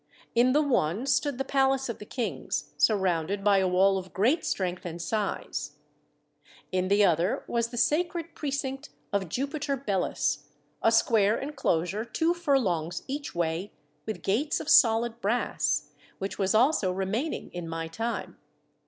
In the one stood the palace of the kings, surrounded by a wall of great strength and size; in the other was the sacred precinct of Jupiter Belus, a square enclosure two furlongs each way, with gates of solid brass; which was also remaining in my time.